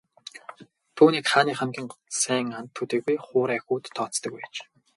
Түүнийг хааны хамгийн сайн анд төдийгүй хуурай хүүд тооцдог байж.